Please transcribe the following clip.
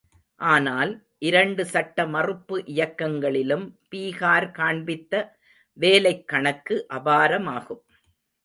ஆனால், இரண்டு சட்ட மறுப்பு இயக்கங்களிலும் பீகார் காண்பித்த வேலைக் கணக்கு அபாரமாகும்.